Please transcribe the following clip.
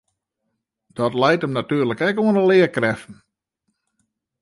Dat leit him natuerlik ek oan de learkrêften.